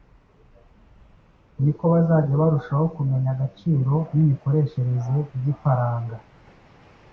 niko bazajya barushaho kumenya agaciro n’imikoreshereze by’ifaranga